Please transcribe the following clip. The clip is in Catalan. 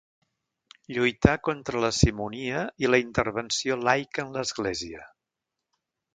Lluità contra la simonia i la intervenció laica en l'Església.